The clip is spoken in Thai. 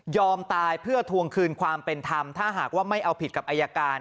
ตายเพื่อทวงคืนความเป็นธรรมถ้าหากว่าไม่เอาผิดกับอายการ